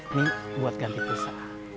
ini buat ganti pusa